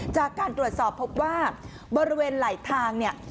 จากการตรวจสอบพบว่าบริเวณไหลทางเนี่ย